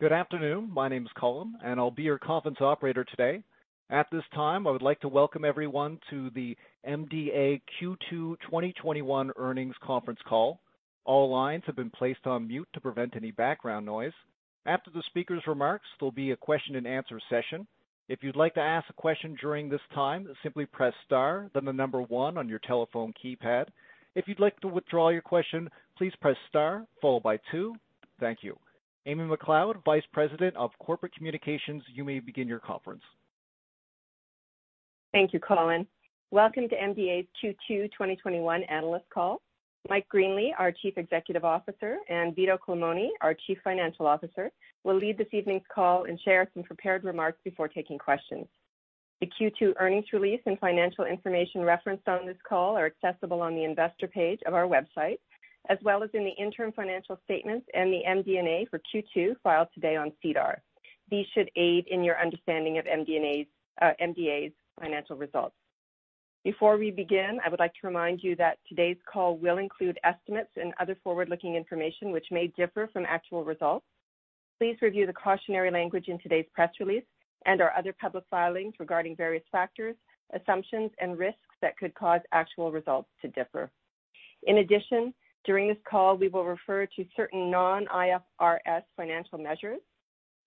Good afternoon. My name is Colin, and I'll be your conference operator today. At this time, I would like to welcome everyone to the MDA Q2 2021 earnings conference call. All lines have been placed on mute to prevent any background noise. After the speaker's remarks, there'll be a question and answer session. If you'd like to ask a question during this time, simply press star, then the number one on your telephone keypad. If you'd like to withdraw your question, please press star followed by two. Thank you. Amy MacLeod, Vice President of Corporate Communications, you may begin your conference. Thank you, Colin. Welcome to MDA's Q2 2021 analyst call. Mike Greenley, our Chief Executive Officer, and Vito Culmone, our Chief Financial Officer, will lead this evening's call and share some prepared remarks before taking questions. The Q2 earnings release and financial information referenced on this call are accessible on the investor page of our website, as well as in the interim financial statements and the MD&A for Q2 filed today on SEDAR. These should aid in your understanding of MDA's financial results. Before we begin, I would like to remind you that today's call will include estimates and other forward-looking information which may differ from actual results. Please review the cautionary language in today's press release and our other public filings regarding various factors, assumptions, and risks that could cause actual results to differ. During this call, we will refer to certain non-IFRS financial measures.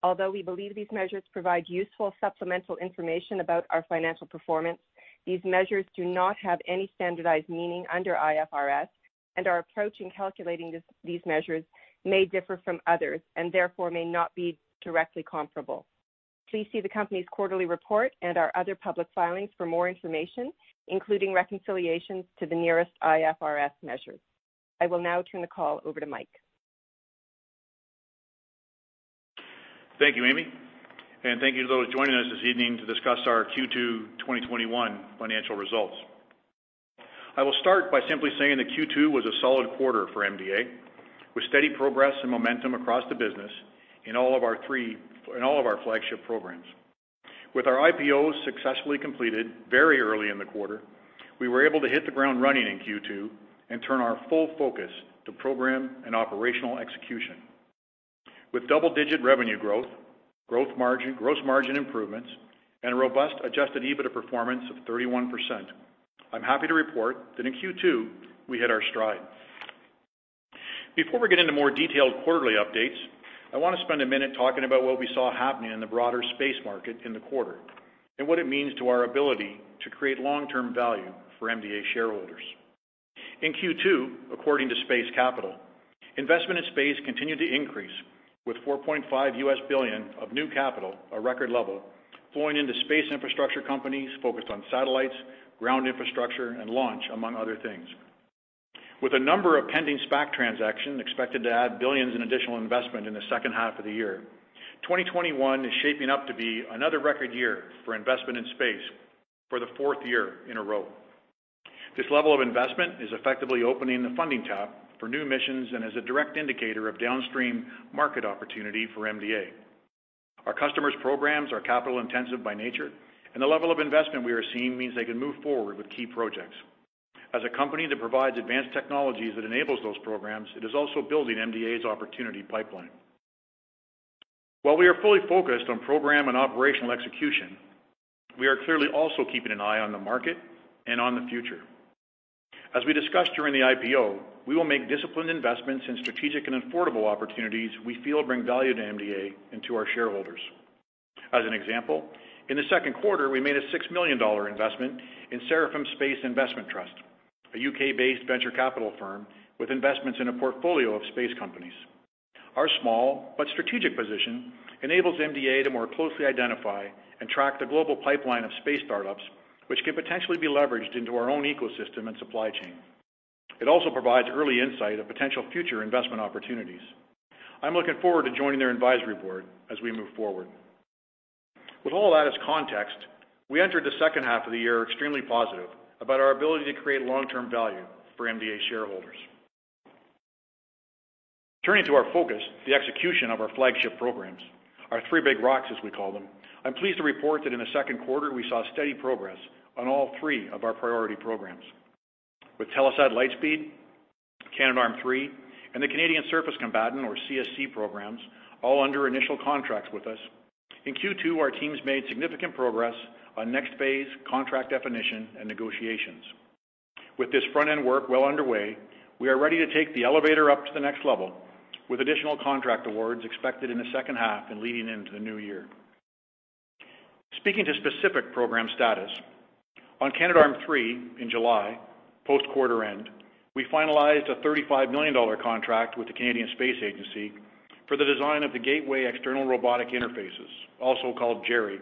Although we believe these measures provide useful supplemental information about our financial performance, these measures do not have any standardized meaning under IFRS and our approach in calculating these measures may differ from others and therefore may not be directly comparable. Please see the company's quarterly report and our other public filings for more information, including reconciliations to the nearest IFRS measures. I will now turn the call over to Mike. Thank you, Amy. Thank you to those joining us this evening to discuss our Q2 2021 financial results. I will start by simply saying that Q2 was a solid quarter for MDA, with steady progress and momentum across the business in all of our flagship programs. With our IPO successfully completed very early in the quarter, we were able to hit the ground running in Q2 and turn our full focus to program and operational execution. With double-digit revenue growth, gross margin improvements, and a robust adjusted EBITDA performance of 31%, I'm happy to report that in Q2, we hit our stride. Before we get into more detailed quarterly updates, I want to spend a minute talking about what we saw happening in the broader space market in the quarter and what it means to our ability to create long-term value for MDA shareholders. In Q2, according to Space Capital, investment in space continued to increase with $4.5 billion of new capital, a record level, flowing into space infrastructure companies focused on satellites, ground infrastructure, and launch, among other things. With a number of pending SPAC transactions expected to add billions in additional investment in the second half of the year, 2021 is shaping up to be another record year for investment in space for the fourth year in a row. This level of investment is effectively opening the funding tap for new missions and is a direct indicator of downstream market opportunity for MDA. Our customers' programs are capital-intensive by nature, and the level of investment we are seeing means they can move forward with key projects. As a company that provides advanced technologies that enables those programs, it is also building MDA's opportunity pipeline. While we are fully focused on program and operational execution, we are clearly also keeping an eye on the market and on the future. As we discussed during the IPO, we will make disciplined investments in strategic and affordable opportunities we feel bring value to MDA and to our shareholders. As an example, in the second quarter, we made a 6 million dollar investment in Seraphim Space Investment Trust, a U.K.-based venture capital firm with investments in a portfolio of space companies. Our small but strategic position enables MDA to more closely identify and track the global pipeline of space startups, which can potentially be leveraged into our own ecosystem and supply chain. It also provides early insight of potential future investment opportunities. I'm looking forward to joining their advisory board as we move forward. With all that as context, we enter the second half of the year extremely positive about our ability to create long-term value for MDA shareholders. Turning to our focus, the execution of our flagship programs, our three big rocks, as we call them, I'm pleased to report that in the second quarter, we saw steady progress on all three of our priority programs. With Telesat Lightspeed, Canadarm3, and the Canadian Surface Combatant, or CSC programs, all under initial contracts with us, in Q2, our teams made significant progress on next phase contract definition and negotiations. With this front-end work well underway, we are ready to take the elevator up to the next level with additional contract awards expected in the second half and leading into the new year. Speaking to specific program status, on Canadarm3 in July, post quarter end, we finalized a 35 million dollar contract with the Canadian Space Agency for the design of the Gateway External Robotic Interfaces, also called GERI,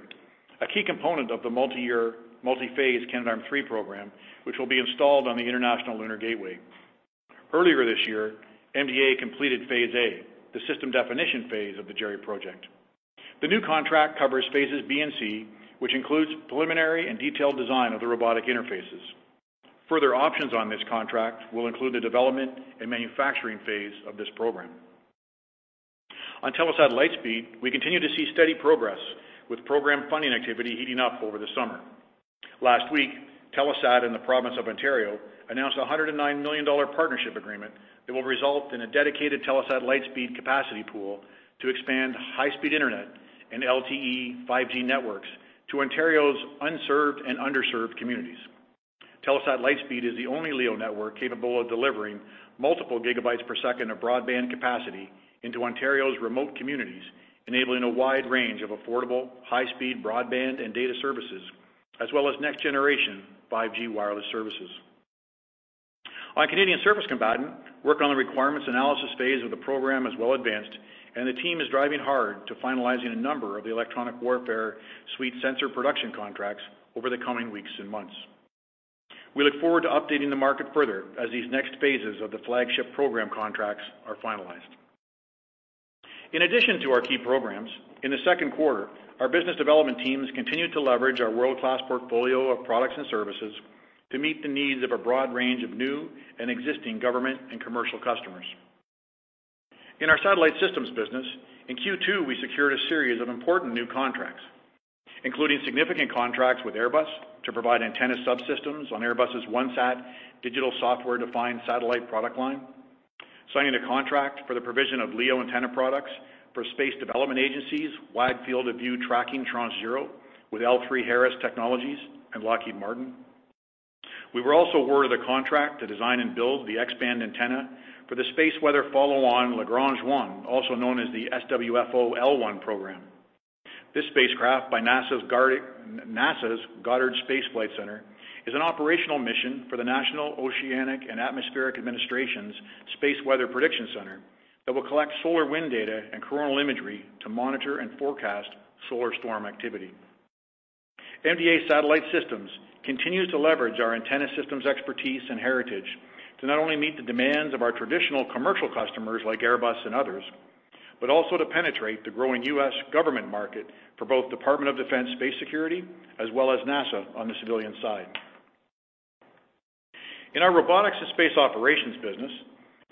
a key component of the multi-year, multi-phase Canadarm3 program, which will be installed on the International Lunar Gateway. Earlier this year, MDA completed phase A, the system definition phase of the GERI project. The new contract covers phases B and C, which includes preliminary and detailed design of the robotic interfaces. Further options on this contract will include the development and manufacturing phase of this program. On Telesat Lightspeed, we continue to see steady progress with program funding activity heating up over the summer. Last week, Telesat and the province of Ontario announced a 109 million dollar partnership agreement that will result in a dedicated Telesat Lightspeed capacity pool to expand high-speed internet and LTE 5G networks to Ontario's unserved and underserved communities. Telesat Lightspeed is the only LEO network capable of delivering multiple gigabytes per second of broadband capacity into Ontario's remote communities, enabling a wide range of affordable, high-speed broadband and data services, as well as next-generation 5G wireless services. On Canadian Surface Combatant, work on the requirements analysis phase of the program is well advanced, and the team is driving hard to finalizing a number of the electronic warfare suite sensor production contracts over the coming weeks and months. We look forward to updating the market further as these next phases of the flagship program contracts are finalized. In addition to our key programs, in the second quarter, our business development teams continued to leverage our world-class portfolio of products and services to meet the needs of a broad range of new and existing government and commercial customers. In our Satellite Systems business, in Q2, we secured a series of important new contracts, including significant contracts with Airbus to provide antenna subsystems on Airbus' OneSat digital software-defined satellite product line, signing a contract for the provision of LEO antenna products for Space Development Agency's Wide Field of View tracking Tranche 0 with L3Harris Technologies and Lockheed Martin. We were also awarded a contract to design and build the X-band antenna for the Space Weather Follow On–Lagrange 1, also known as the SWFO-L1 program. This spacecraft by NASA's Goddard Space Flight Center is an operational mission for the National Oceanic and Atmospheric Administration's Space Weather Prediction Center that will collect solar wind data and coronal imagery to monitor and forecast solar storm activity. MDA Satellite Systems continues to leverage our antenna systems expertise and heritage to not only meet the demands of our traditional commercial customers like Airbus and others, but also to penetrate the growing U.S. government market for both Department of Defense space security, as well as NASA on the civilian side. In our Robotics & Space Operations business,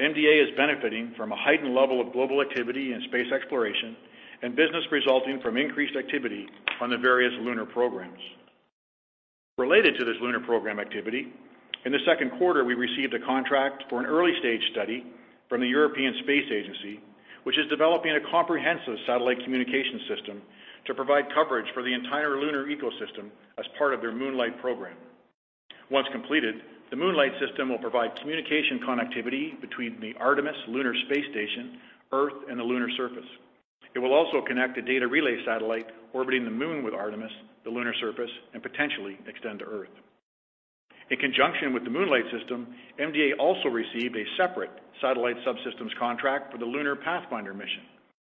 MDA is benefiting from a heightened level of global activity in space exploration and business resulting from increased activity on the various lunar programs. Related to this lunar program activity, in the second quarter, we received a contract for an early-stage study from the European Space Agency, which is developing a comprehensive satellite communication system to provide coverage for the entire lunar ecosystem as part of their Moonlight program. Once completed, the Moonlight system will provide communication connectivity between the Artemis lunar space station, Earth, and the lunar surface. It will also connect a data relay satellite orbiting the Moon with Artemis, the lunar surface, and potentially extend to Earth. In conjunction with the Moonlight system, MDA also received a separate satellite subsystems contract for the Lunar Pathfinder mission,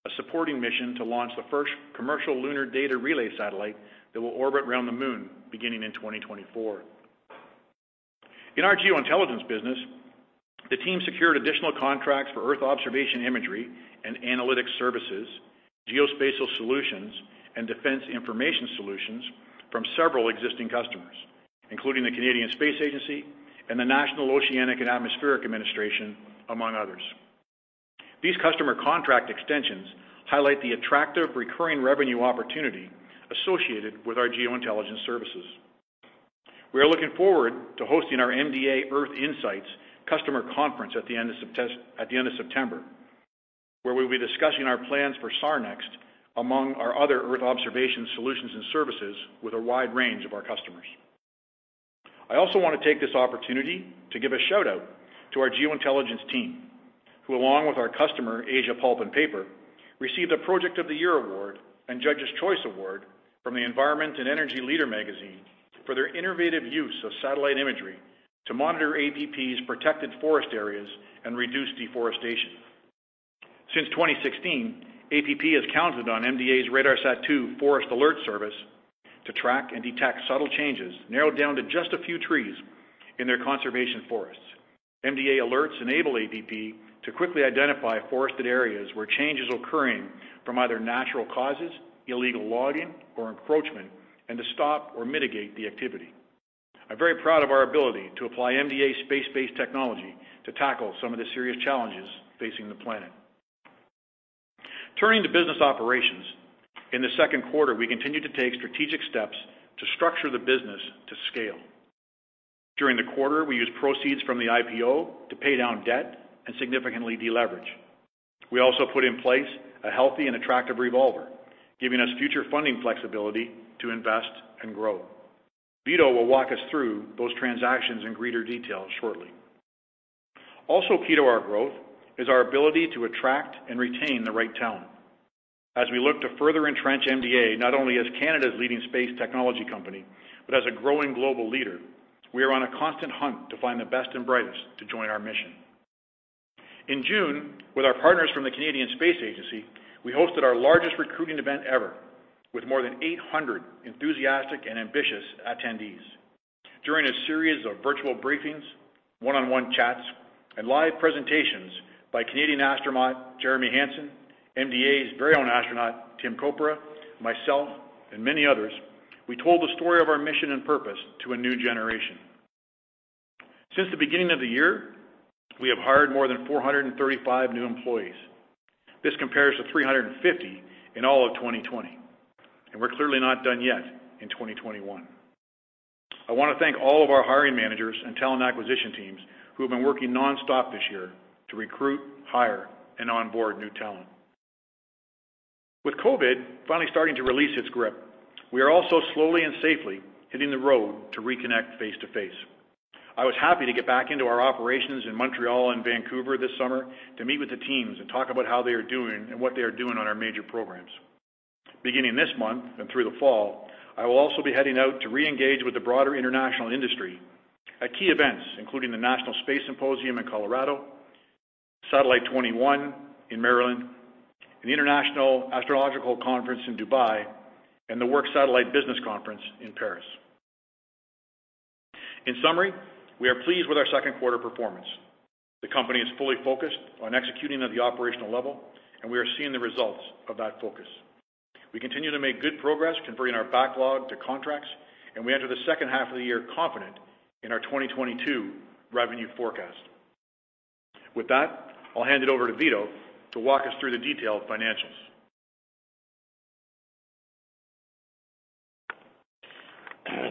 a supporting mission to launch the first commercial lunar data relay satellite that will orbit around the Moon beginning in 2024. In our Geointelligence business, the team secured additional contracts for Earth observation imagery and analytics services, Geospatial solutions, and defense information solutions from several existing customers, including the Canadian Space Agency and the National Oceanic and Atmospheric Administration, among others. These customer contract extensions highlight the attractive recurring revenue opportunity associated with our Geointelligence services. We are looking forward to hosting our MDA Earth Insight customer conference at the end of September, where we'll be discussing our plans for SARnext among our other Earth observation solutions and services with a wide range of our customers. I also want to take this opportunity to give a shout-out to our Geointelligence team, who along with our customer, Asia Pulp & Paper, received a Project of the Year award and Judges' Choice award from the Environment + Energy Leader magazine for their innovative use of satellite imagery to monitor APP's protected forest areas and reduce deforestation. Since 2016, APP has counted on MDA's RADARSAT-2 Forest Alert Service to track and detect subtle changes narrowed down to just a few trees in their conservation forests. MDA alerts enable APP to quickly identify forested areas where change is occurring from either natural causes, illegal logging, or encroachment, and to stop or mitigate the activity. I'm very proud of our ability to apply MDA space-based technology to tackle some of the serious challenges facing the planet. Turning to business operations. In the second quarter, we continued to take strategic steps to structure the business to scale. During the quarter, we used proceeds from the IPO to pay down debt and significantly deleverage. We also put in place a healthy and attractive revolver, giving us future funding flexibility to invest and grow. Vito will walk us through those transactions in greater detail shortly. Also key to our growth is our ability to attract and retain the right talent. As we look to further entrench MDA, not only as Canada's leading space technology company but as a growing global leader, we are on a constant hunt to find the best and brightest to join our mission. In June, with our partners from the Canadian Space Agency, we hosted our largest recruiting event ever, with more than 800 enthusiastic and ambitious attendees. During a series of virtual briefings, one-on-one chats, and live presentations by Canadian astronaut Jeremy Hansen, MDA's very own astronaut Tim Kopra, myself, and many others, we told the story of our mission and purpose to a new generation. Since the beginning of the year, we have hired more than 435 new employees. This compares to 350 in all of 2020, we're clearly not done yet in 2021. I want to thank all of our hiring managers and talent acquisition teams who have been working non-stop this year to recruit, hire, and onboard new talent. With COVID finally starting to release its grip, we are also slowly and safely hitting the road to reconnect face-to-face. I was happy to get back into our operations in Montreal and Vancouver this summer to meet with the teams and talk about how they are doing and what they are doing on our major programs. Beginning this month and through the fall, I will also be heading out to reengage with the broader international industry at key events, including the Space Symposium in Colorado, SATELLITE 2021 in Maryland, and the International Astronautical Congress in Dubai, and the World Satellite Business Week in Paris. In summary, we are pleased with our second quarter performance. The company is fully focused on executing at the operational level, and we are seeing the results of that focus. We continue to make good progress converting our backlog to contracts, and we enter the second half of the year confident in our 2022 revenue forecast. With that, I'll hand it over to Vito to walk us through the detailed financials.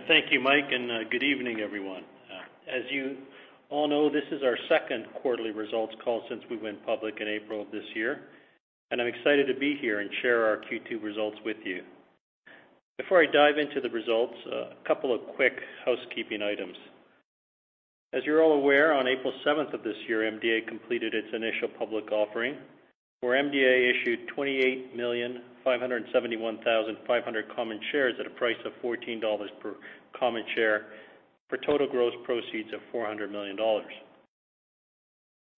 Thank you, Mike. Good evening, everyone. As you all know, this is our second quarterly results call since we went public in April of this year, and I am excited to be here and share our Q2 results with you. Before I dive into the results, a couple of quick housekeeping items. As you are all aware, on April 7th of this year, MDA completed its initial public offering where MDA issued 28,571,500 common shares at a price of 14 dollars per common share for total gross proceeds of 400 million dollars.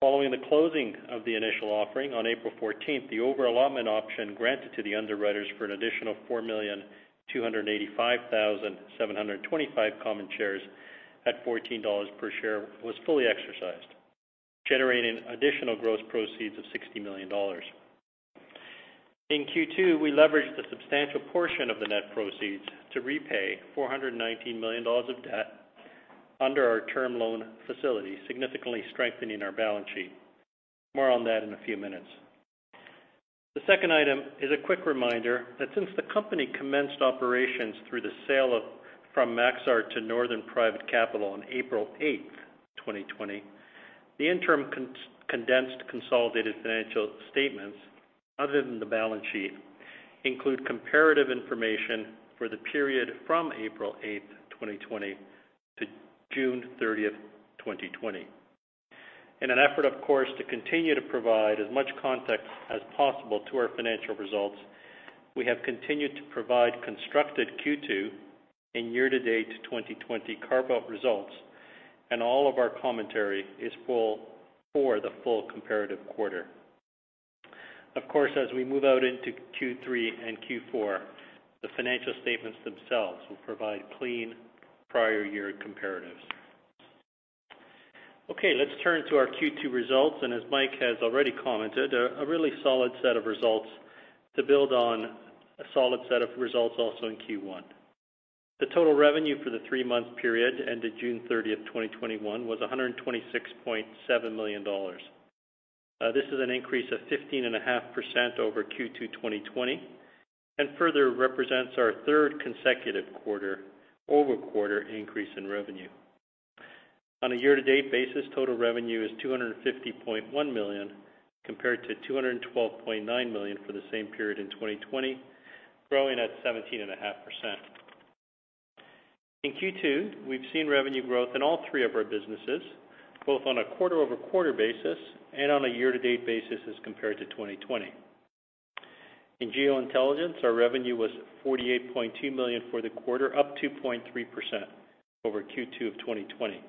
Following the closing of the initial offering on April 14th, the over-allotment option granted to the underwriters for an additional 4,285,725 common shares at 14 dollars per share was fully exercised, generating additional gross proceeds of 60 million dollars. In Q2, we leveraged a substantial portion of the net proceeds to repay 419 million dollars of debt under our term loan facility, significantly strengthening our balance sheet. More on that in a few minutes. The second item is a quick reminder that since the company commenced operations through the sale from Maxar to Northern Private Capital on April 8th, 2020, the interim condensed consolidated financial statements, other than the balance sheet, include comparative information for the period from April 8th, 2020 to June 30th, 2020. In an effort, of course, to continue to provide as much context as possible to our financial results, we have continued to provide constructed Q2 and year-to-date 2020 carve-out results, and all of our commentary is for the full comparative quarter. Of course, as we move out into Q3 and Q4, the financial statements themselves will provide clean prior year comparatives. Okay, let's turn to our Q2 results. As Mike has already commented, a really solid set of results to build on a solid set of results also in Q1. The total revenue for the three-month period ended June 30th, 2021 was 126.7 million dollars. This is an increase of 15.5% over Q2 2020, further represents our third consecutive quarter-over-quarter increase in revenue. On a year-to-date basis, total revenue is 250.1 million, compared to 212.9 million for the same period in 2020, growing at 17.5%. In Q2, we've seen revenue growth in all three of our businesses, both on a quarter-over-quarter basis and on a year-to-date basis as compared to 2020. In Geointelligence, our revenue was 48.2 million for the quarter, up 2.3% over Q2 of 2020.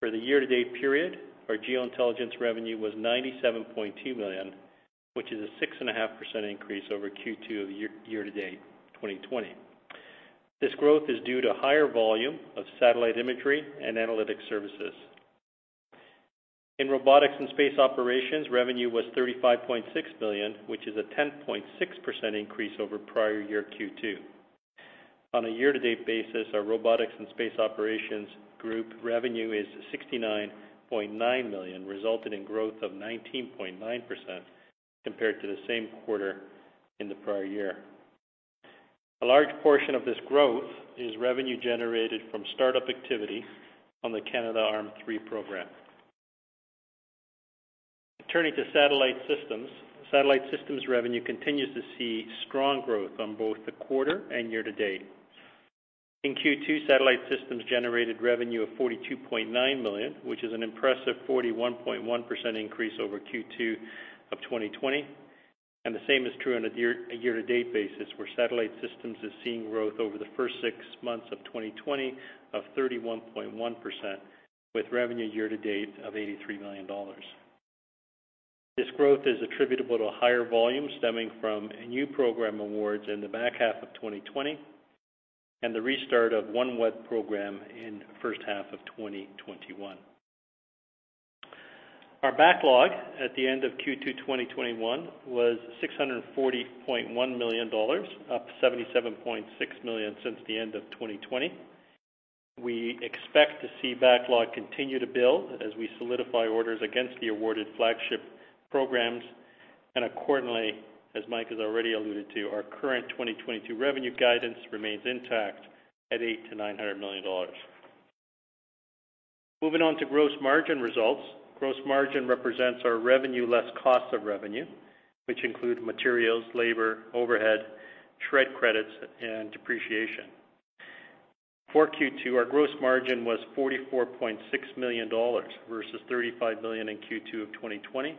For the year-to-date period, our Geointelligence revenue was 97.2 million, which is a 6.5% increase over Q2 of year-to-date 2020. This growth is due to higher volume of satellite imagery and analytic services. In Robotics & Space Operations, revenue was 35.6 million, which is a 10.6% increase over prior year Q2. On a year-to-date basis, our Robotics & Space Operations group revenue is 69.9 million, resulting in growth of 19.9% compared to the same quarter in the prior year. A large portion of this growth is revenue generated from startup activity on the Canadarm3 program. Turning to Satellite Systems, Satellite Systems revenue continues to see strong growth on both the quarter and year-to-date. In Q2, Satellite Systems generated revenue of 42.9 million, which is an impressive 41.1% increase over Q2 of 2020, and the same is true on a year-to-date basis, where Satellite Systems is seeing growth over the first six months of 2020 of 31.1% with revenue year-to-date of 83 million dollars. This growth is attributable to higher volume stemming from new program awards in the back half of 2020 and the restart of OneWeb program in the first half of 2021. Our backlog at the end of Q2 2021 was 640.1 million dollars, up 77.6 million since the end of 2020. We expect to see backlog continue to build as we solidify orders against the awarded flagship programs, and accordingly, as Mike has already alluded to, our current 2022 revenue guidance remains intact at eight to 900 million dollars. Moving on to gross margin results. Gross margin represents our revenue less cost of revenue, which includes materials, labor, overhead, SR&ED credits, and depreciation. For Q2, our gross margin was 44.6 million dollars versus 35 million in Q2 2020.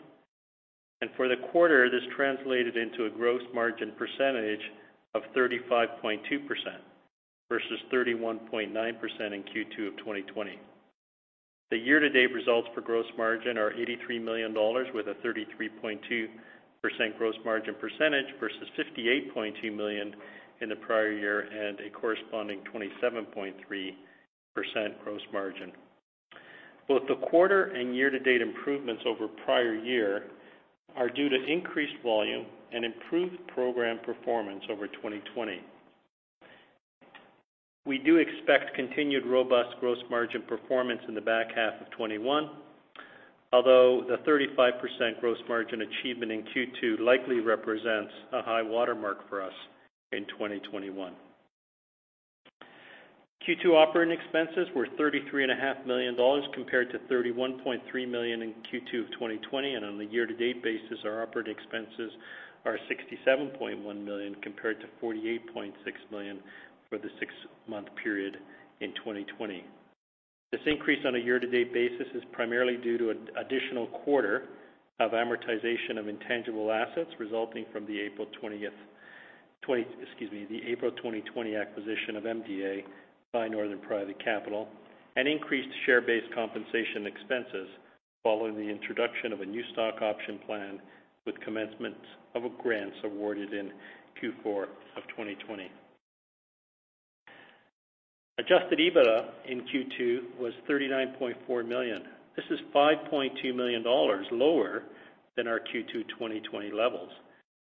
For the quarter, this translated into a gross margin percentage of 35.2% versus 31.9% in Q2 2020. The year-to-date results for gross margin are 83 million dollars with a 33.2% gross margin percentage versus 58.2 million in the prior year and a corresponding 27.3% gross margin. Both the quarter and year-to-date improvements over prior year are due to increased volume and improved program performance over 2020. We do expect continued robust gross margin performance in the back half of 2021, although the 35% gross margin achievement in Q2 likely represents a high watermark for us in 2021. Q2 operating expenses were 33.5 million dollars compared to 31.3 million in Q2 of 2020, and on the year-to-date basis, our operating expenses are 67.1 million compared to 48.6 million for the six month period in 2020. This increase on a year-to-date basis is primarily due to an additional quarter of amortization of intangible assets resulting from the April 2020 acquisition of MDA by Northern Private Capital and increased share-based compensation expenses following the introduction of a new stock option plan with commencement of grants awarded in Q4 of 2020. Adjusted EBITDA in Q2 was 39.4 million. This is 5.2 million dollars lower than our Q2 2020 levels,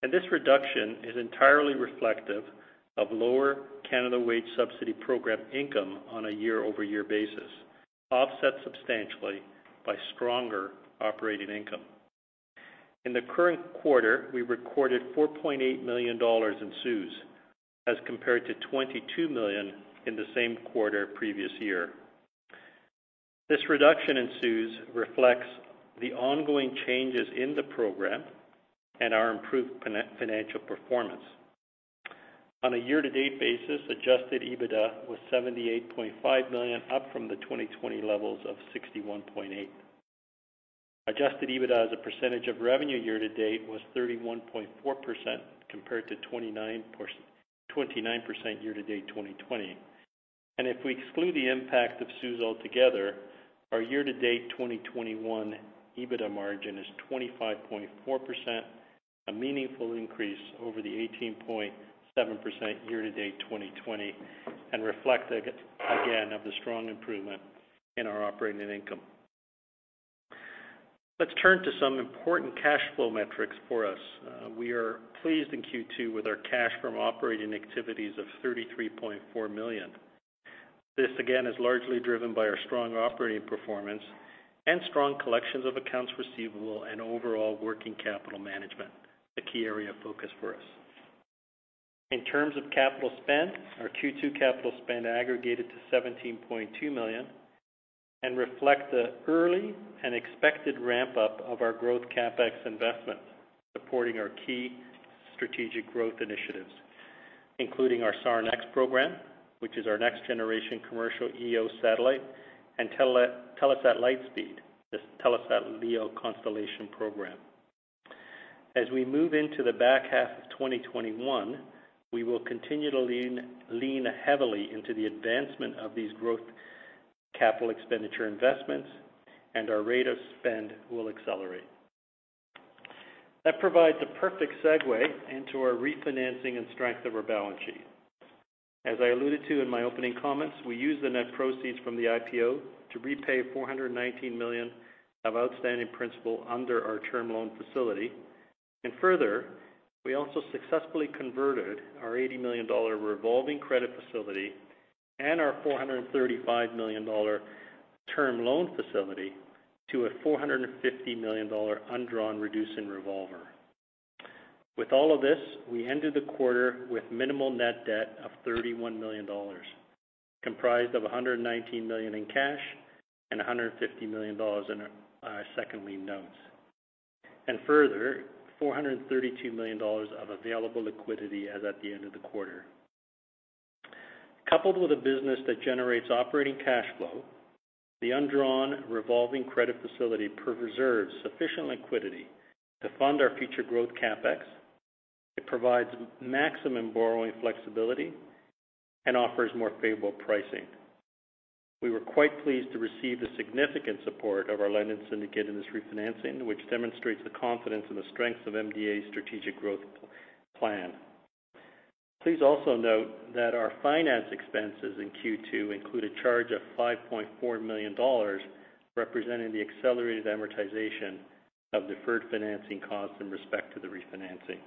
and this reduction is entirely reflective of lower Canada Emergency Wage Subsidy income on a year-over-year basis, offset substantially by stronger operating income. In the current quarter, we recorded 4.8 million dollars in CEWS as compared to 22 million in the same quarter previous year. This reduction in CEWS reflects the ongoing changes in the program and our improved financial performance. On a year-to-date basis, adjusted EBITDA was 78.5 million, up from the 2020 levels of 61.8. Adjusted EBITDA as a percentage of revenue year-to-date was 31.4% compared to 29% year-to-date 2020. If we exclude the impact of CEWS altogether, our year-to-date 2021 EBITDA margin is 25.4%, a meaningful increase over the 18.7% year-to-date 2020, and reflective again of the strong improvement in our operating income. Let's turn to some important cash flow metrics for us. We are pleased in Q2 with our cash from operating activities of 33.4 million. This again is largely driven by our strong operating performance and strong collections of accounts receivable and overall working capital management, a key area of focus for us. In terms of capital spend, our Q2 capital spend aggregated to 17.2 million and reflect the early and expected ramp-up of our growth CapEx investment, supporting our key strategic growth initiatives, including our SARnext program, which is our next generation commercial EO satellite, and Telesat Lightspeed, the Telesat LEO constellation program. As we move into the back half of 2021, we will continue to lean heavily into the advancement of these growth capital expenditure investments and our rate of spend will accelerate. That provides a perfect segue into our refinancing and strength of our balance sheet. As I alluded to in my opening comments, we used the net proceeds from the IPO to repay 419 million of outstanding principal under our term loan facility. Further, we also successfully converted our 80 million dollar revolving credit facility and our 435 million dollar term loan facility to a 450 million dollar undrawn reducing revolver. With all of this, we ended the quarter with minimal net debt of 31 million dollars, comprised of 119 million in cash and 150 million dollars in our second lien notes. Further, 432 million dollars of available liquidity as at the end of the quarter. Coupled with a business that generates operating cash flow, the undrawn revolving credit facility preserves sufficient liquidity to fund our future growth CapEx. It provides maximum borrowing flexibility and offers more favorable pricing. We were quite pleased to receive the significant support of our lending syndicate in this refinancing, which demonstrates the confidence in the strength of MDA's strategic growth plan. Please also note that our finance expenses in Q2 include a charge of 5.4 million dollars, representing the accelerated amortization of deferred financing costs in respect to the refinancing.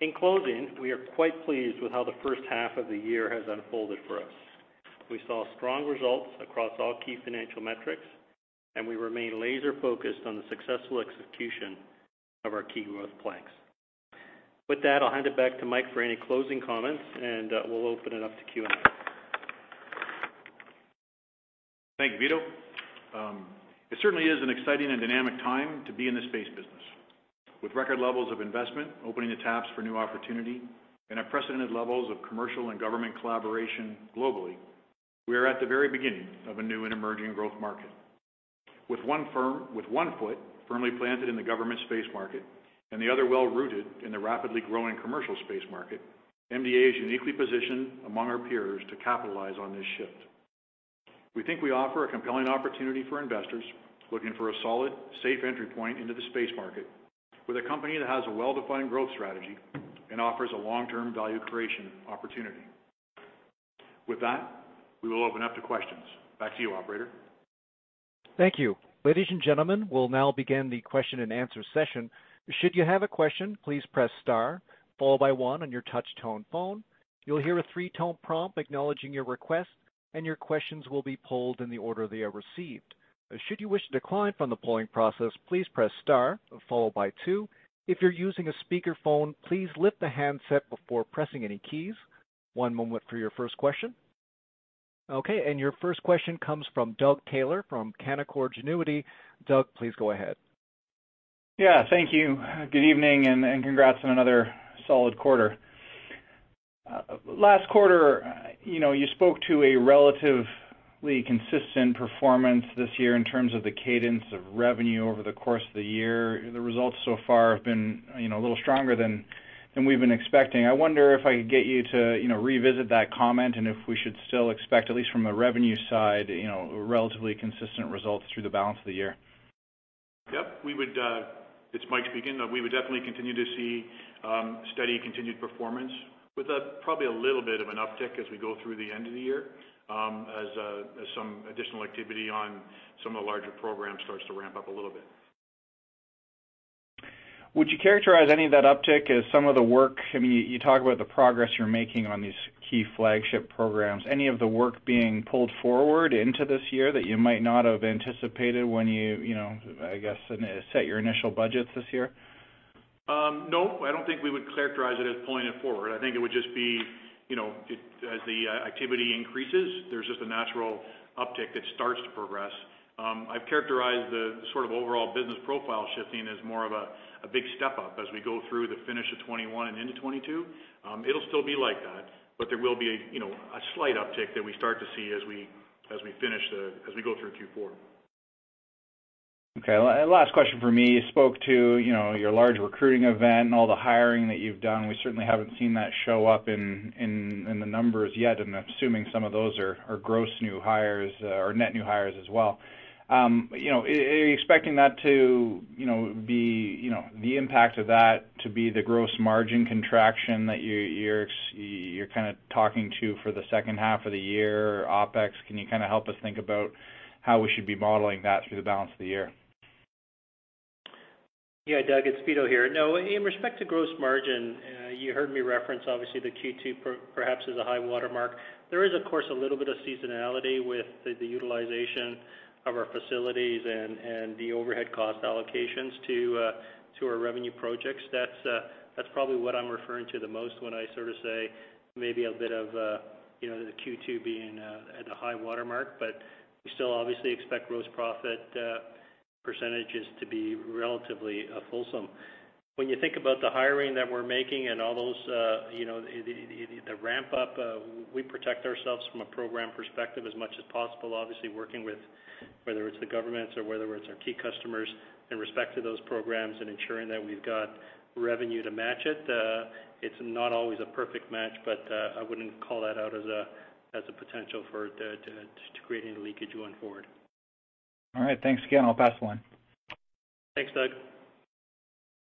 In closing, we are quite pleased with how the first half of the year has unfolded for us. We saw strong results across all key financial metrics, and we remain laser-focused on the successful execution of our key growth planks. With that, I'll hand it back to Mike for any closing comments, and we'll open it up to Q&A. Thank you, Vito. It certainly is an exciting and dynamic time to be in the space business. With record levels of investment opening the taps for new opportunity and unprecedented levels of commercial and government collaboration globally, we are at the very beginning of a new and emerging growth market. With one foot firmly planted in the government space market and the other well-rooted in the rapidly growing commercial space market, MDA is uniquely positioned among our peers to capitalize on this shift. We think we offer a compelling opportunity for investors looking for a solid, safe entry point into the space market with a company that has a well-defined growth strategy and offers a long-term value creation opportunity. With that, we will open up to questions. Back to you, operator. Thank you. Ladies and gentlemen, we'll now begin the question and answer session. Okay. Your first question comes from Doug Taylor from Canaccord Genuity. Doug, please go ahead. Yeah. Thank you. Good evening. Congrats on another solid quarter. Last quarter, you spoke to a relatively consistent performance this year in terms of the cadence of revenue over the course of the year. The results so far have been a little stronger than we've been expecting. I wonder if I could get you to revisit that comment and if we should still expect, at least from a revenue side, relatively consistent results through the balance of the year. Yep. It's Mike speaking. We would definitely continue to see steady continued performance with probably a little bit of an uptick as we go through the end of the year, as some additional activity on some of the larger programs starts to ramp up a little bit. Would you characterize any of that uptick as some of the work, you talk about the progress you're making on these key flagship programs, any of the work being pulled forward into this year that you might not have anticipated when you set your initial budgets this year? I don't think we would characterize it as pulling it forward. I think it would just be as the activity increases, there's just a natural uptick that starts to progress. I've characterized the sort of overall business profile shifting as more of a big step up as we go through the finish of 2021 and into 2022. It'll still be like that, but there will be a slight uptick that we start to see as we go through Q4. Okay. Last question from me. You spoke to your large recruiting event and all the hiring that you've done. We certainly haven't seen that show up in the numbers yet, and I'm assuming some of those are gross new hires or net new hires as well. Are you expecting the impact of that to be the gross margin contraction that you're talking to for the second half of the year or OpEx? Can you help us think about how we should be modeling that through the balance of the year? Yeah, Doug, it's Vito here. No. In respect to gross margin, you heard me reference obviously the Q2 perhaps as a high water mark. There is, of course, a little bit of seasonality with the utilization of our facilities and the overhead cost allocations to our revenue projects. That's probably what I'm referring to the most when I sort of say maybe a bit of the Q2 being at a high water mark, but we still obviously expect gross profit percentages to be relatively fulsome. When you think about the hiring that we're making and all those, the ramp up, we protect ourselves from a program perspective as much as possible, obviously working with whether it's the governments or whether it's our key customers in respect to those programs and ensuring that we've got revenue to match it. It's not always a perfect match, but I wouldn't call that out as a potential for creating leakage going forward. All right. Thanks again. I'll pass the line. Thanks, Doug.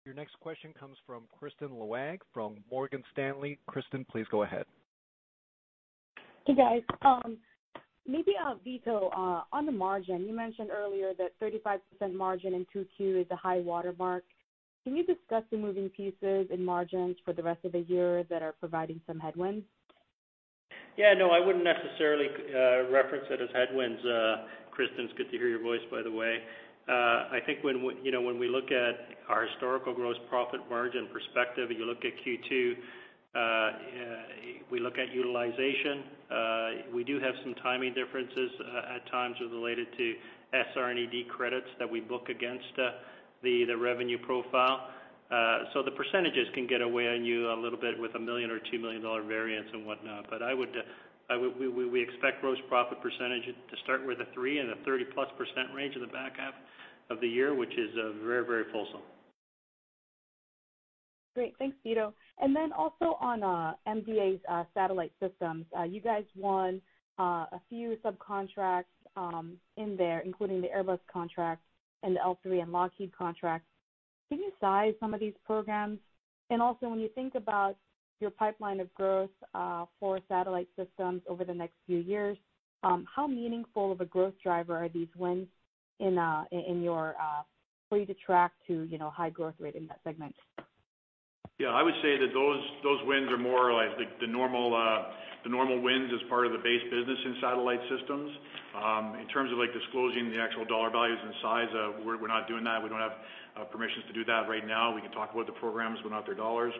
Your next question comes from Kristine Liwag from Morgan Stanley. Kristine, please go ahead. Hey, guys. Vito, on the margin, you mentioned earlier that 35% margin in Q2 is a high water mark. Can you discuss the moving pieces in margins for the rest of the year that are providing some headwinds? No, I wouldn't necessarily reference it as headwinds, Kristine. It's good to hear your voice, by the way. I think when we look at our historical gross profit margin perspective, and you look at Q2, we look at utilization, we do have some timing differences at times related to SR&ED credits that we book against the revenue profile. The percentages can get away on you a little bit with a 1 million or 2 million dollar variance and whatnot. We expect gross profit percentage to start with a three and a 30+% range in the back half of the year, which is very fulsome. Great. Thanks, Vito. Also on MDA Satellite Systems, you guys won a few subcontracts in there, including the Airbus contract and the L3 and Lockheed contract. Can you size some of these programs? When you think about your pipeline of growth, for Satellite Systems over the next few years, how meaningful of a growth driver are these wins for you to track to high growth rate in that segment? Yeah, I would say that those wins are more like the normal wins as part of the base business in Satellite Systems. In terms of disclosing the actual dollar values and size, we're not doing that. We don't have permissions to do that right now. We can talk about the programs, but not their dollars.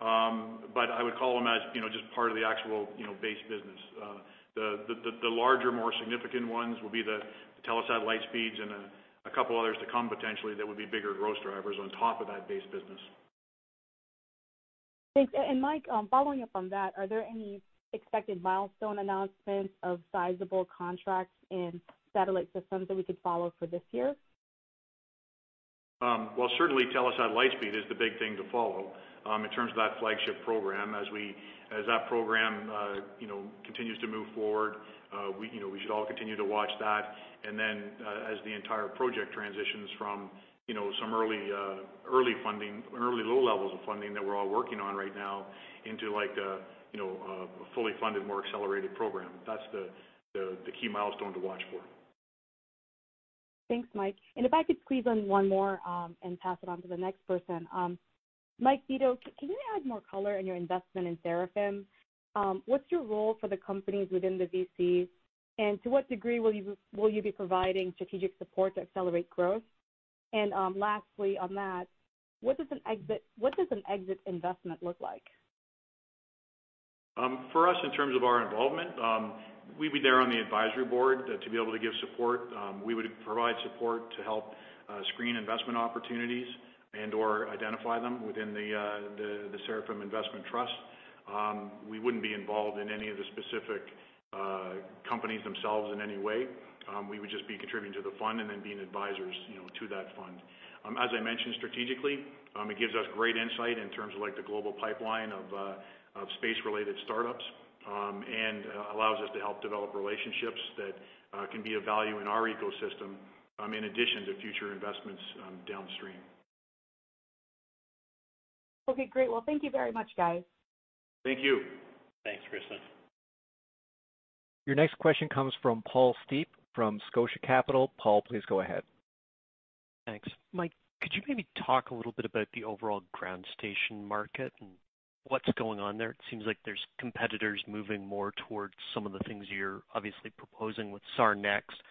I would call them as just part of the actual base business. The larger, more significant ones will be the Telesat Lightspeed and a couple others to come potentially that will be bigger growth drivers on top of that base business. Thanks. Mike, following up on that, are there any expected milestone announcements of sizable contracts in Satellite Systems that we could follow for this year? Well, certainly Telesat Lightspeed is the big thing to follow, in terms of that flagship program. As that program continues to move forward, we should all continue to watch that. As the entire project transitions from some early low levels of funding that we're all working on right now into a fully funded, more accelerated program, that's the key milestone to watch for. Thanks, Mike. If I could squeeze on one more, and pass it on to the next person. Mike, Vito, can you add more color on your investment in Seraphim? What's your role for the companies within the VC, and to what degree will you be providing strategic support to accelerate growth? Lastly on that, what does an exit investment look like? For us, in terms of our involvement, we'd be there on the advisory board to be able to give support. We would provide support to help screen investment opportunities and/or identify them within the Seraphim Investment Trust. We wouldn't be involved in any of the specific companies themselves in any way. We would just be contributing to the fund and then being advisors to that fund. As I mentioned strategically, it gives us great insight in terms of the global pipeline of space-related startups, and allows us to help develop relationships that can be of value in our ecosystem, in addition to future investments downstream. Okay, great. Well, thank you very much, guys. Thank you. Thanks, Kristine. Your next question comes from Paul Steep from Scotia Capital. Paul, please go ahead. Thanks. Mike, could you maybe talk a little bit about the overall ground station market and what's going on there? It seems like there's competitors moving more towards some of the things you're obviously proposing with SARnext.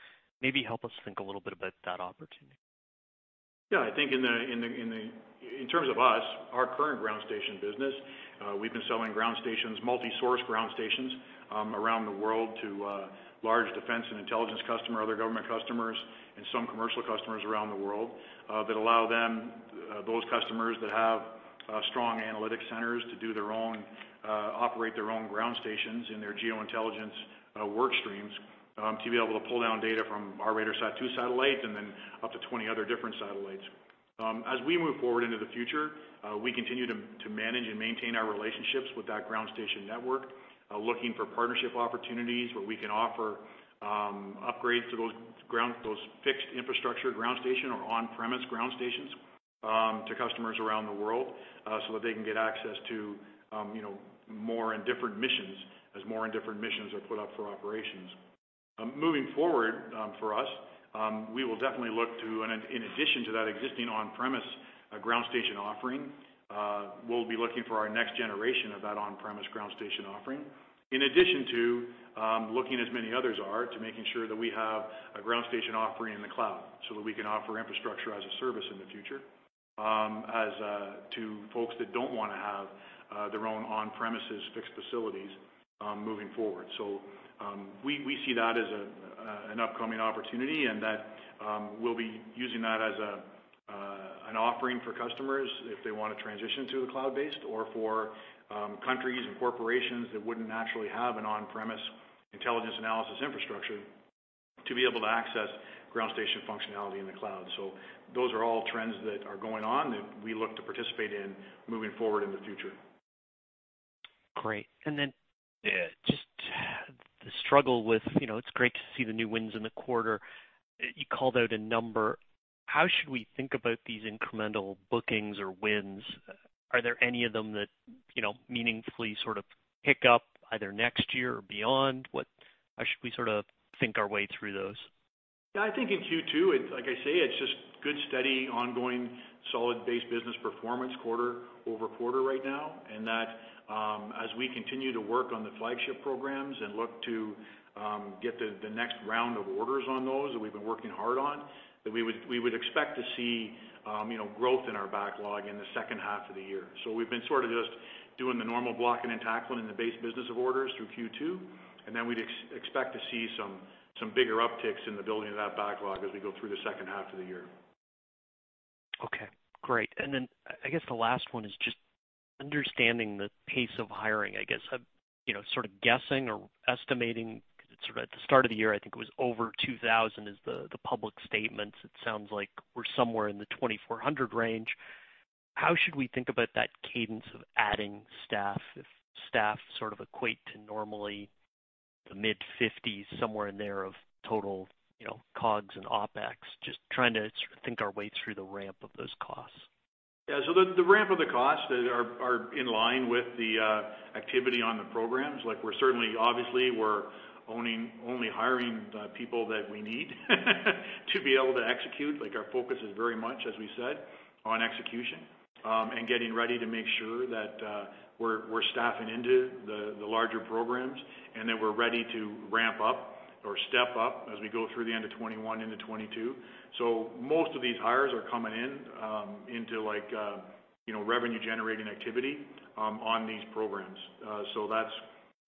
Maybe help us think a little bit about that opportunity. Yeah, I think in terms of us, our current ground station business, we've been selling ground stations, multi-source ground stations, around the world to large defense and intelligence customer, other government customers, and some commercial customers around the world, that allow those customers that have strong analytic centers to operate their own ground stations in their Geointelligence work streams, to be able to pull down data from our RADARSAT-2 satellite, and then up to 20 other different satellites. As we move forward into the future, we continue to manage and maintain our relationships with that ground station network, looking for partnership opportunities where we can offer upgrades to those fixed infrastructure ground station or on-premise ground stations to customers around the world, so that they can get access to more and different missions as more and different missions are put up for operations. Moving forward, for us, we will definitely look to, in addition to that existing on-premise ground station offering, we'll be looking for our next generation of that on-premise ground station offering. In addition to, looking as many others are, to making sure that we have a ground station offering in the cloud, so that we can offer infrastructure as a service in the future to folks that don't want to have their own on-premises fixed facilities moving forward. We see that as an upcoming opportunity, and that we'll be using that as an offering for customers if they want to transition to the cloud-based or for countries and corporations that wouldn't naturally have an on-premise intelligence analysis infrastructure to be able to access ground station functionality in the cloud. Those are all trends that are going on that we look to participate in moving forward in the future. Great. It's great to see the new wins in the quarter. You called out a number. How should we think about these incremental bookings or wins? Are there any of them that meaningfully sort of pick up either next year or beyond? How should we sort of think our way through those? I think in Q2, like I say, it's just good, steady, ongoing, solid base business performance quarter-over-quarter right now, as we continue to work on the flagship programs and look to get the next round of orders on those that we've been working hard on, that we would expect to see growth in our backlog in the second half of the year. We've been sort of just doing the normal blocking and tackling in the base business of orders through Q2, we'd expect to see some bigger upticks in the building of that backlog as we go through the second half of the year. Okay, great. I guess the last one is just understanding the pace of hiring, I guess. I'm sort of guessing or estimating, because it's sort of at the start of the year, I think it was over 2,000 is the public statements. It sounds like we're somewhere in the 2,400 range. How should we think about that cadence of adding staff, if staff sort of equate to normally the mid-50s, somewhere in there, of total COGS and OpEx? Just trying to think our way through the ramp of those costs. Yeah. The ramp of the costs are in line with the activity on the programs. Obviously, we're only hiring the people that we need to be able to execute. Our focus is very much, as we said, on execution, and getting ready to make sure that we're staffing into the larger programs, and that we're ready to ramp up or step up as we go through the end of 2021 into 2022. Most of these hires are coming into revenue-generating activity on these programs.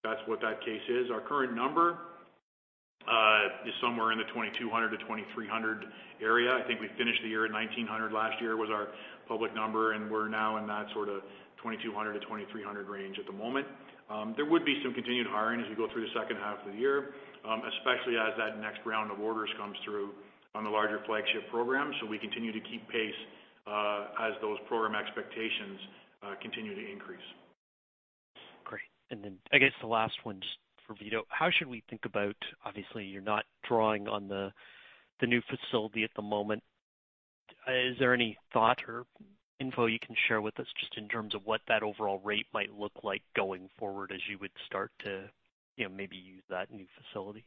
That's what that case is. Our current number is somewhere in the 2,200-2,300 area. I think we finished the year at 1,900 last year, was our public number, and we're now in that sort of 2,200-2,300 range at the moment. There would be some continued hiring as we go through the second half of the year, especially as that next round of orders comes through on the larger flagship program. We continue to keep pace as those program expectations continue to increase. Great. Then I guess the last one, just for Vito. How should we think about, obviously, you're not drawing on the new facility at the moment. Is there any thought or info you can share with us, just in terms of what that overall rate might look like going forward, as you would start to maybe use that new facility?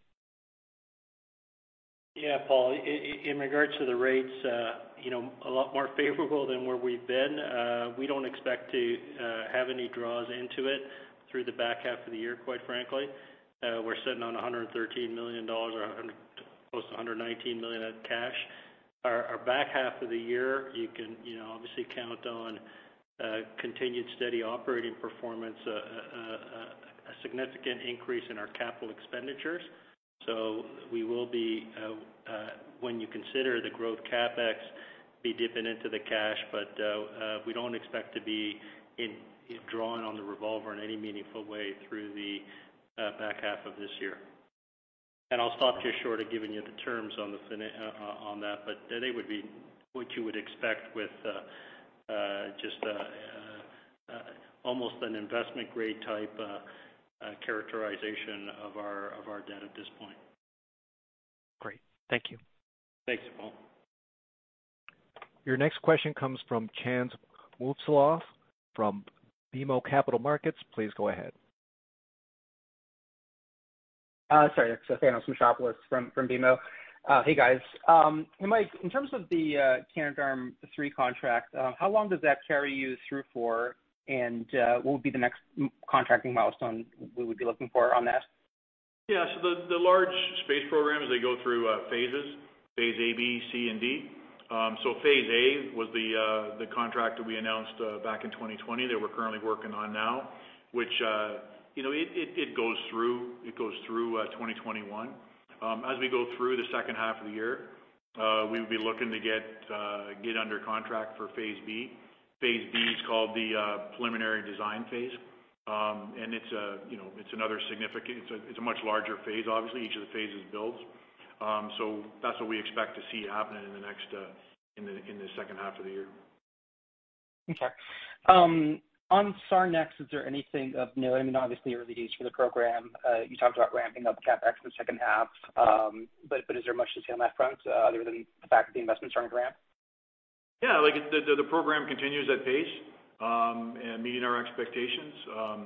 Yeah, Paul, in regards to the rates, a lot more favorable than where we've been. We don't expect to have any draws into it through the back half of the year, quite frankly. We're sitting on 113 million dollars, or close to 119 million of cash. Our back half of the year, you can obviously count on continued steady operating performance, a significant increase in our capital expenditures. We will be, when you consider the growth CapEx, dipping into the cash. We don't expect to be drawing on the revolver in any meaningful way through the back half of this year. I'll stop just short of giving you the terms on that, but they would be what you would expect with just almost an investment grade type characterization of our debt at this point. Great. Thank you. Thanks, Paul. Your next question comes from Thanos Moschopoulos from BMO Capital Markets. Please go ahead. Sorry, it's Thanos Moschopoulos from BMO. Hey, guys. Mike, in terms of the Canadarm3 contract, how long does that carry you through for, and what would be the next contracting milestone we would be looking for on that? Yeah. The large space programs, they go through phases. Phase A, B, C, and D. Phase A was the contract that we announced back in 2020 that we're currently working on now, which goes through 2021. As we go through the second half of the year, we would be looking to get under contract for Phase B. Phase B is called the preliminary design phase. It's a much larger phase, obviously. Each of the phases builds. That's what we expect to see happening in the second half of the year. Okay. On SARnext, is there anything of note? I mean, obviously, early days for the program. You talked about ramping up CapEx in the second half. Is there much to say on that front, other than the fact that the investments are on ramp? Yeah. The program continues at pace, and meeting our expectations.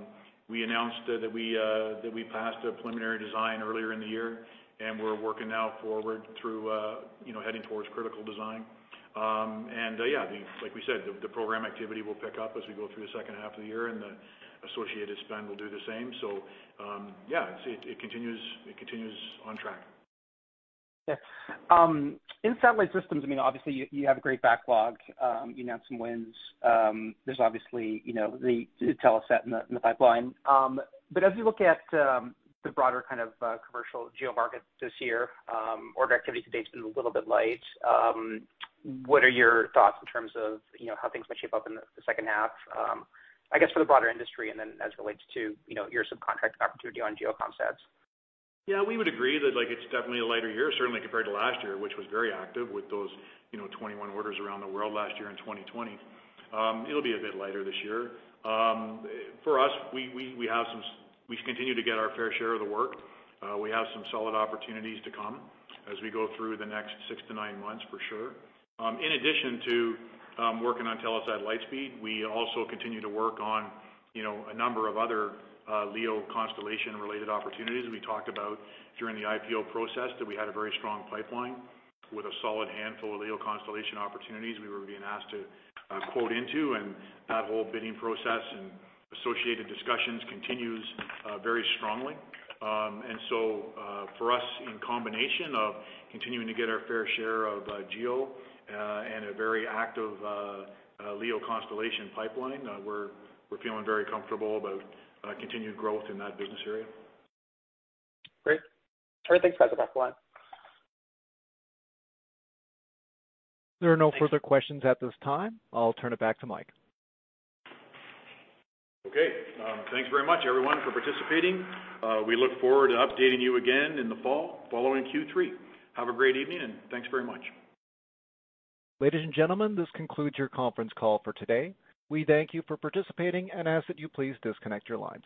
We announced that we passed a preliminary design earlier in the year, and we're working now forward through heading towards critical design. Yeah, like we said, the program activity will pick up as we go through the second half of the year, and the associated spend will do the same. Yeah, it continues on track. Yeah. In Satellite Systems, obviously, you have a great backlog. You announced some wins. There is obviously the Telesat in the pipeline. As we look at the broader kind of commercial GEO market this year, order activity to date's been a little bit light. What are your thoughts in terms of how things might shape up in the second half, I guess, for the broader industry, and then as it relates to your subcontract opportunity on GEO comm sats? Yeah, we would agree that it's definitely a lighter year, certainly compared to last year, which was very active with those 21 orders around the world last year in 2020. It'll be a bit lighter this year. For us, we continue to get our fair share of the work. We have some solid opportunities to come as we go through the next six to nine months, for sure. In addition to working on Telesat Lightspeed, we also continue to work on a number of other LEO constellation-related opportunities. We talked about, during the IPO process, that we had a very strong pipeline with a solid handful of LEO constellation opportunities we were being asked to quote into. That whole bidding process and associated discussions continues very strongly. For us, in combination of continuing to get our fair share of GEO and a very active LEO constellation pipeline, we're feeling very comfortable about continued growth in that business area. Great. All right, thanks guys. I'll pass the line. There are no further questions at this time. I'll turn it back to Mike. Okay. Thanks very much, everyone, for participating. We look forward to updating you again in the fall, following Q3. Have a great evening, and thanks very much. Ladies and gentlemen, this concludes your conference call for today. We thank you for participating and ask that you please disconnect your lines.